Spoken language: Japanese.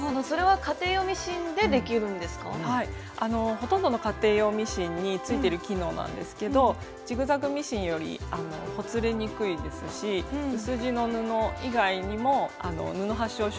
ほとんどの家庭用ミシンについてる機能なんですけどジグザグミシンよりほつれにくいですし薄地の布以外にも布端を処理する時にはとてもオススメです。